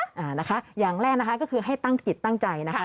อ่านะคะอย่างแรกนะคะก็คือให้ตั้งจิตตั้งใจนะคะ